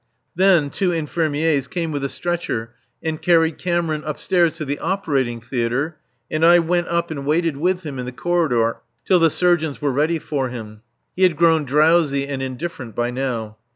Then two infirmiers came with a stretcher and carried Cameron upstairs to the operating theatre, and I went up and waited with him in the corridor till the surgeons were ready for him. He had grown drowsy and indifferent by now.